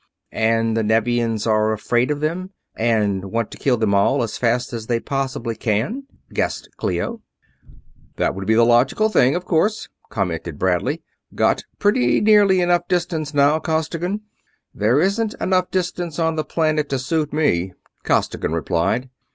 "And the Nevians are afraid of them, and want to kill them all, as fast as they possibly can," guessed Clio. "That would be the logical thing, of course," commented Bradley. "Got pretty nearly enough distance now, Costigan?" "There isn't enough distance on the planet to suit me," Costigan replied.